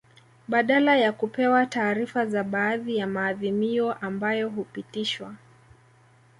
Badala ya kupewa taarifa za baadhi ya maadhimio ambayo hupitishwa